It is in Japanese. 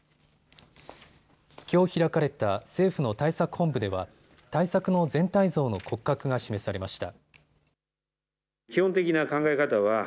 きょう開かれた政府の対策本部では対策の全体像の骨格が示されました。